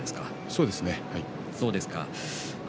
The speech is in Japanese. そうです。